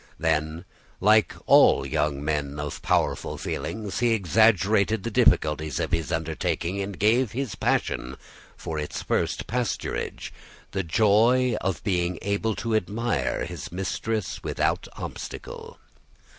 Then, like all young men of powerful feelings, he exaggerated the difficulties of his undertaking, and gave his passion, for its first pasturage, the joy of being able to admire his mistress without obstacle.